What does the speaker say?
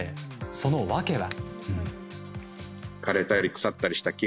その訳は。